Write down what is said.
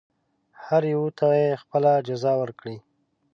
هر یوه ته یې خپله جزا ورکړي.